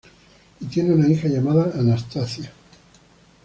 Y tienen una hija llamada Anastacia.